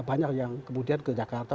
banyak yang kemudian ke jakarta